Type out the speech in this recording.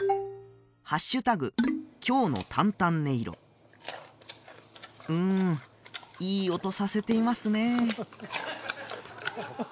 きょうのタンタン音色うんいい音させていますね＃